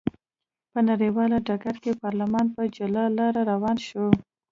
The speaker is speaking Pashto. په نړیوال ډګر کې پارلمان په جلا لار روان شو.